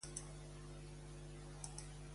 En Wilson també jugava per Northland a la Copa Hawke.